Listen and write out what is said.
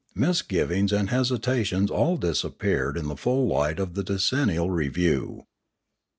Misgivings and hesi tations all disappeared in the full light of the decennial review.